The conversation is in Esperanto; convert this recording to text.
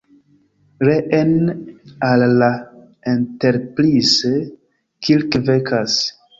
Reen al la Enterprise, Kirk vekas.